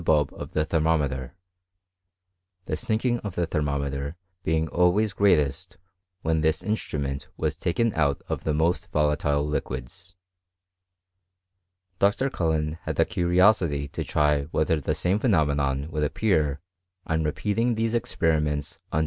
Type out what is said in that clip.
bulb of the thermometer ; the sinking of the thermome*; ter being always greatest when this instrument wftT taken but of the most volatile liquids. Dr. Cullen haft CHEMISTRY IN GREAT BRITAIN. 313 ^ curiosity to try whether the same phenomenon ^^^Id appear on repeating these experiments under r?